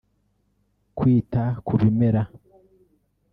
kwita ku bimera